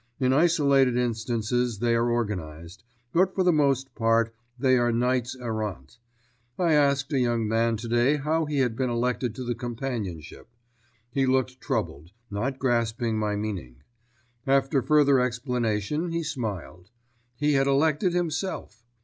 In isolated instances they are organised, but for the most part they are knights errant. I asked a young man today how he had been elected to the companionship. He looked troubled, not grasping my meaning. After further explanation he smiled. He had elected himself.